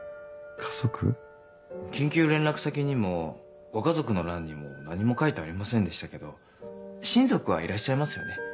緊急連絡先にもご家族の欄にも何も書いてありませんでしたけど親族はいらっしゃいますよね？